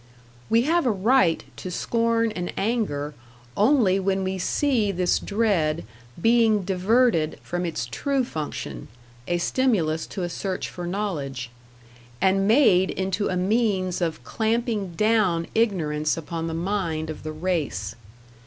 We have a right to scorn and anger only when we see this dread being diverted from its true function, a stimulus to a search for knowledge, and made into a means of clamping down ignorance upon the mind of the race.